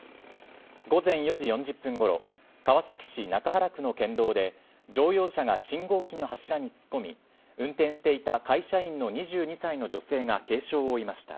午前４時４０分ごろ、川崎市中原区の県道で、乗用車が信号機の柱に突っ込み、運転していた会社員の２２歳の女性が軽傷を負いました。